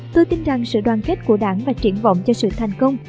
tôi tin rằng sự đoàn kết của đảng và triển vọng cho sự thành công